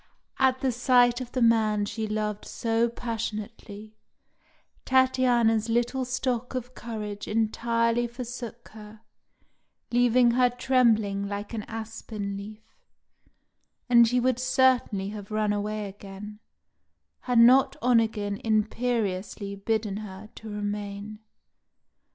At the sight of the man she loved so passionately, Tatiana's little stock of courage entirely forsook her, leaving her trembling like an aspen leaf, and she would certainly have run away again, had not Onegin imperiously bidden her to remain.